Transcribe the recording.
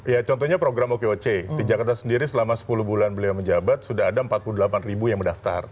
ya contohnya program okoc di jakarta sendiri selama sepuluh bulan beliau menjabat sudah ada empat puluh delapan ribu yang mendaftar